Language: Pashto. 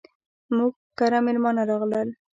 موږ کره ميلمانه راغلل.